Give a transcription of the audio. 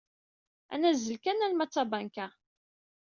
Ad nazzel kan arma d tabanka.